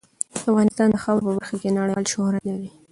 افغانستان د خاوره په برخه کې نړیوال شهرت لري.